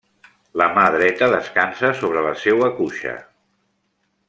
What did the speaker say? La mà dreta descansa sobre la seua cuixa.